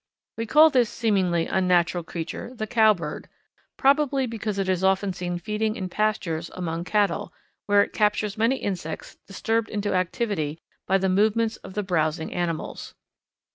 We call this seemingly unnatural creature the Cowbird, probably because it is often seen feeding in pastures among cattle, where it captures many insects disturbed into activity by the movements of the browsing animals.